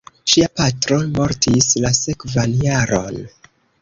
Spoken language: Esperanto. Ŝia patro mortis la sekvan jaron.